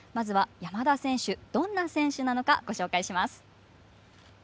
山田選手はどんな選手なのかご紹介します。